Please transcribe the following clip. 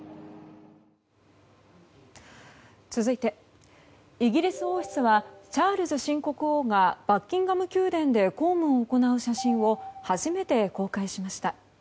続いてイギリス王室はチャールズ新国王がバッキンガム宮殿で公務を行う写真を初めて公開しました。